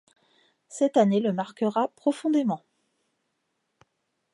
Cette année le marquera profondément.